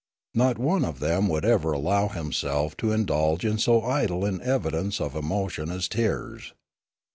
Not one of them would ever allow himself to indulge in so idle an evidence of emotion as tears.